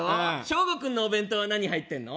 ショーゴ君のお弁当は何入ってんの？